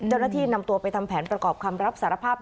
เจ้าหน้าที่นำตัวไปทำแผนประกอบคำรับสารภาพ